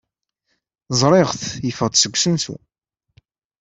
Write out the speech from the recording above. Ẓriɣ-t yeffeɣ-d seg usensu.